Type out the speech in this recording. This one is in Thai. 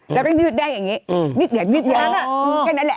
แล้วก็ยืดได้อย่างนี้ยืดเหยียดหยาดแค่นั้นแหละ